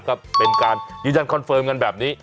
ก็เป็นการยืนยันคอนเฟิร์มกันแบบนี้